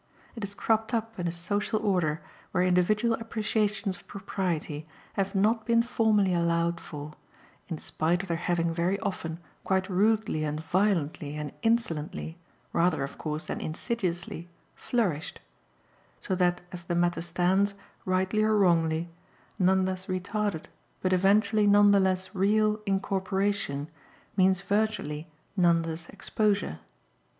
It has cropped up in a social order where individual appreciations of propriety have not been formally allowed for, in spite of their having very often quite rudely and violently and insolently, rather of course than insidiously, flourished; so that as the matter stands, rightly or wrongly, Nanda's retarded, but eventually none the less real, incorporation means virtually Nanda's exposure.